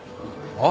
あっ！